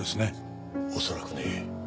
恐らくねえ。